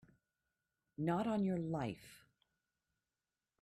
Not on your life!